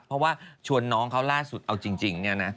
เพราะว่าชวนน้องเขาล่าสุดเอาจริงเนี่ยนะ